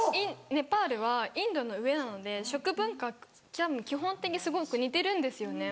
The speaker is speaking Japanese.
ネパールはインドの上なので食文化が基本的すごく似てるんですよね。